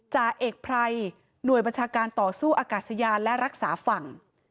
จ่าเอกไพรหน่วยบัญชาการต่อสู้อากาศยานและรักษาฝั่ง